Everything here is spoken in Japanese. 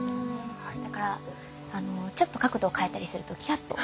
だからちょっと角度を変えたりするとキラッと。